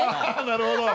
なるほど。